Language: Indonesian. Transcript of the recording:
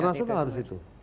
internasional harus itu